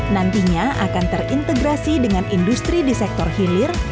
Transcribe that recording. nantinya akan terintegrasi dengan industri di sektor hilir